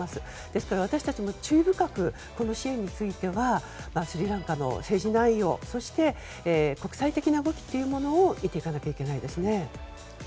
ですから私たちも注意深くこの支援についてはスリランカの政治内容そして国際的な動きを見ていかなければいけないですね。